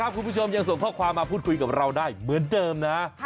คุณผู้ชมยังส่งข้อความมาพูดคุยกับเราได้เหมือนเดิมนะ